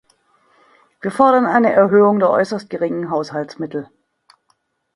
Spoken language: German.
Wir fordern eine Erhöhung der äußerst geringen Haushaltsmittel.